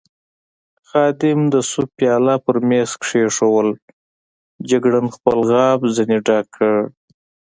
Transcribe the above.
خادم د سوپ پیاله پر مېز کېښوول، جګړن خپل غاب ځنې ډک کړ.